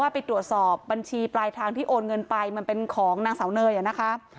ไปตรวจสอบบัญชีปลายทางที่โอนเงินไปมันเป็นของนางสาวเนยนะคะ